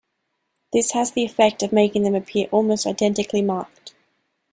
This has the effect of making them appear almost identically marked.